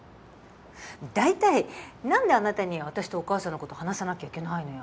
だいたい何であなたに私とお母さんのこと話さなきゃいけないのよ？